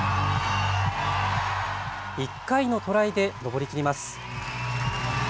１回のトライで登りきります。